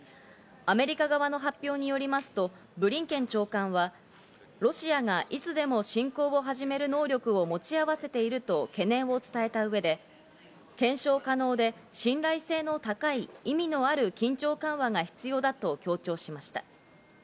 アメリカ側の発表によりますと、ブリンケン長官は、ロシアがいつでも侵攻を始める能力を持ち合わせていると懸念を伝えたうえで検証可能で信頼性の高い意味のある緊張緩和が必要だと強調しました。